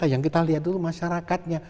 yang kita lihat dulu masyarakatnya